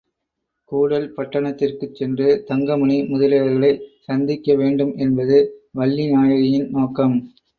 கூடல் பட்டணத்திற்குச் சென்று, தங்கமணி முதலியவர்களைச் சந்திக்க வேண்டும் என்பது வள்ளிநாயகியின் நோக்கம்.